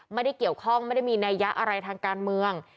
ไม่ได้เกี่ยวข้องไม่ได้มีนัยยะอะไรทางการเมือง